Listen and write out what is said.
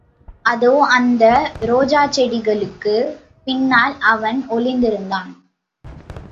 அதோ அந்த ரோஜாச்செடிகளுக்குப் பின்னால் அவன் ஒளிந்திருந்தான்.